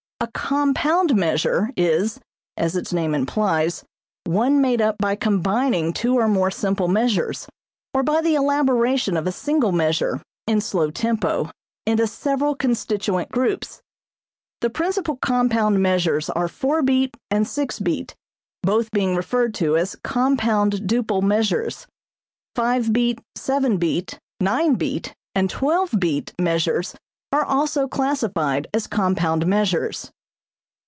A compound measure is (as its name implies) one made up by combining two or more simple measures, or by the elaboration of a single measure (in slow tempo) into several constituent groups. The principal compound measures are four beat and six beat, both being referred to as compound duple measures. Five beat, seven beat, nine beat, and twelve beat measures are also classified as compound measures.